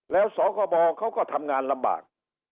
แล้วสคบเขาก็ทำงานลำบาก